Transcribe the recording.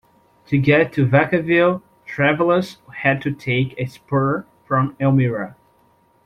To get to Vacaville, travelers had to take a spur from Elmira.